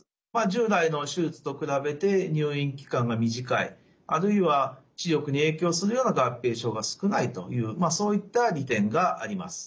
従来の手術と比べて入院期間が短いあるいは視力に影響するような合併症が少ないというそういった利点があります。